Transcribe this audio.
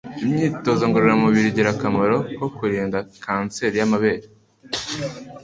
Imyitozo ngororamubiri igira akamaro ko kurinda kanseri y'amabere